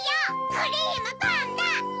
クリームパンダ！